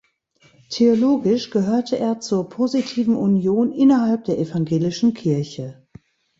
Theologisch gehörte er zur Positiven Union innerhalb der Evangelischen Kirche.